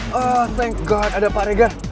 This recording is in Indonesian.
terima kasih tuhan ada pak regar